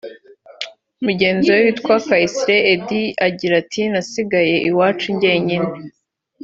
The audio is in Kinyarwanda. Mugenzi we witwa Kayisire Eddie agira ati “Nasigaye iwacu njyenyine